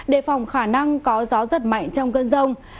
đề phòng khả năng có gió giật mạnh trong cơn rông